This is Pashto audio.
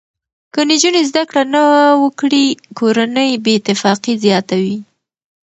که نجونې زده کړه نه وکړي، کورنۍ بې اتفاقي زیاته وي.